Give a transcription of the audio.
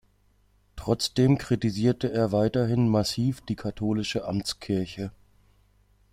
Trotzdem kritisierte er weiterhin massiv die katholische Amtskirche.